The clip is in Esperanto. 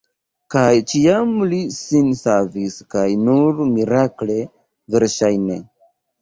Kaj ĉiam li sin savis kaj nur mirakle, verŝajne.